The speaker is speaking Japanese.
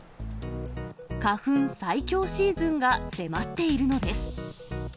花粉最強シーズンが迫っているのです。